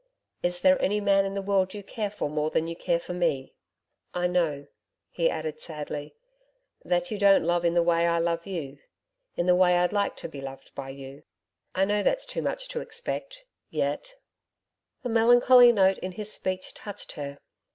Is there any man in the world you care for more than you care for me? I know,' he added sadly, 'that you don't love in the way I love you in the way I'd like to be loved by you. I know that's too much to expect yet.' The melancholy note in his speech touched her.